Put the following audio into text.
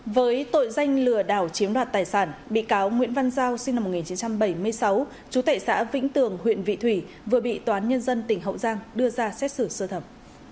với tội danh lừa đảo chiếm đoạt tài sản bị cáo nguyễn văn giao sinh năm một nghìn chín trăm bảy mươi sáu trú tại xã vĩnh tường huyện vị thủy vừa bị toán nhân dân tỉnh hậu giang đưa ra xét xử sơ thẩm